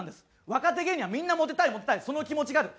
若手芸人はみんなモテたいモテたいその気持ちがある。